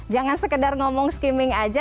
jangan sekedar ngomong skimming aja